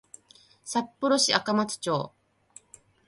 札幌市赤松町